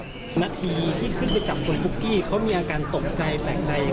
นาทีที่ขึ้นไปจับคุณปุ๊กกี้เขามีอาการตกใจแปลกใจ